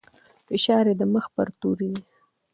فشار يې د مخ پر توري دی.